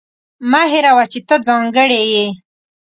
مه هېروه چې ته ځانګړې یې.